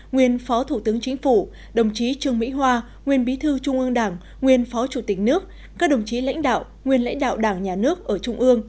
nguyên phó chủ tịch nước các đồng chí lãnh đạo nguyên lãnh đạo đảng nhà nước ở trung ương